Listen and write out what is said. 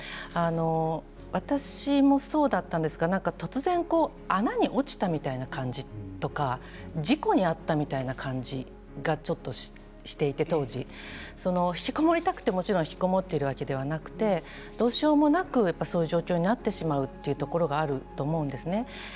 私もそうだったんですが突然穴に落ちたような感じとか事故に遭ったような感じがちょっとしていて、同時に当時、ひきこもりたくてひきこもっているわけではなくてどうしようもなくそういう状況になってしまうということがあるんですね。